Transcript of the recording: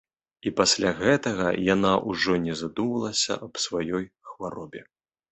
Пасля гэтага яна ўжо не задумвалася аб сваёй хваробе.